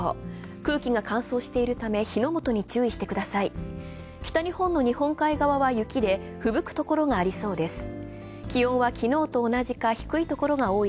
空気が乾燥しているため火の元に注意してください。